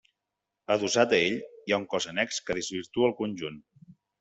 Adossat a ell hi ha un cos annex que desvirtua el conjunt.